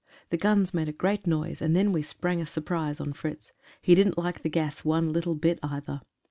The guns made a great noise, and then we sprang a surprise on Fritz. He didn't like the gas one little bit either.